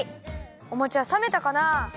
おもちはさめたかなあ？